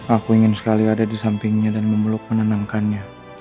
aku ingin sekali ada di sampingnya dan memeluk menenangkannya